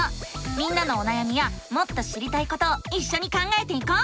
みんなのおなやみやもっと知りたいことをいっしょに考えていこう！